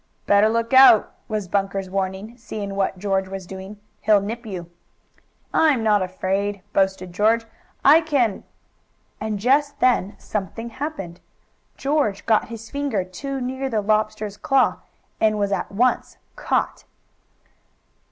"Better look out!" was Bunker's warning, seeing what George was doing. "He'll nip you!" "I'm not afraid!" boasted George. "I can " And just then something happened. George got his finger too near the lobster's claw and was at once caught.